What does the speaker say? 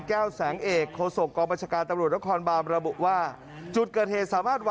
เคยเห็นกลัวอยู่ตลอดเวลาไหม